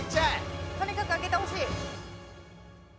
とにかく開けてほしい。